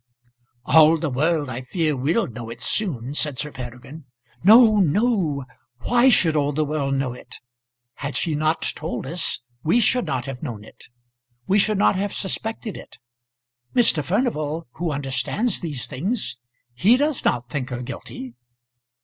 "All the world, I fear, will know it soon," said Sir Peregrine. "No; no. Why should all the world know it? Had she not told us we should not have known it. We should not have suspected it. Mr. Furnival, who understands these things; he does not think her guilty."